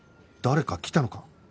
誰か来たのか？